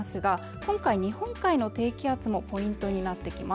今回日本海の低気圧もポイントになってきます